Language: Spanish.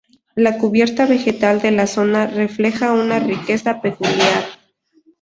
La cubierta vegetal de la zona refleja una riqueza peculiar.